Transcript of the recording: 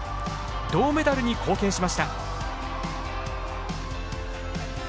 銅メダルに貢献しました。